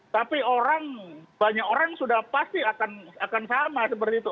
tapi orang banyak orang sudah pasti akan sama seperti itu